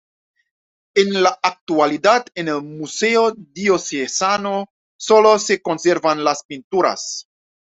En la actualidad en el Museo Diocesano solo se conservan las pinturas.